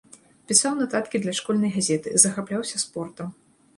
Пісаў нататкі для школьнай газеты, захапляўся спортам.